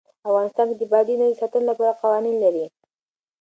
افغانستان د بادي انرژي د ساتنې لپاره قوانین لري.